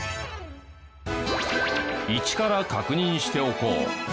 一から確認しておこう。